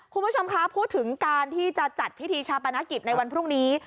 คุณผู้ชมคะพูดถึงการที่จะจัดพิธีชาปนกิจในวันพรุ่งนี้